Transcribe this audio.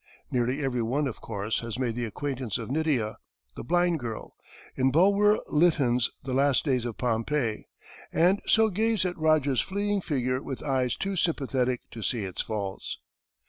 Nearly every one, of course, has made the acquaintance of Nydia, the blind girl, in Bulwer Lytton's "The Last Days of Pompeii," and so gaze at Rogers's fleeing figure with eyes too sympathetic to see its faults.